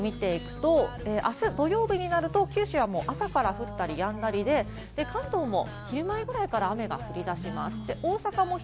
土曜日も見ていくと明日、土曜日になると、九州は朝から降ったりやんだりで、関東も昼前くらいから雨が降り出します。